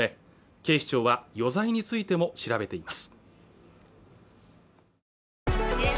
警視庁は余罪についても調べています